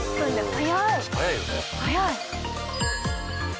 早い！